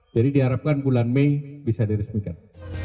jadi diharapkan bulan mei bisa diresemikan